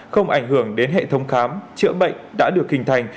không ảnh hưởng đến hệ thống khám chữa bệnh đã được hình thành